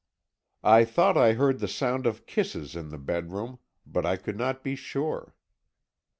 "I thought I heard the sound of kisses in the bedroom, but I could not be sure.